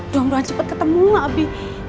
doang doang cepet ketemu lah abi